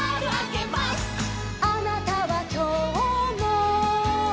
「あなたはきょうも」